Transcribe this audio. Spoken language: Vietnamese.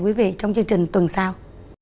quý vị trong chương trình tuần sau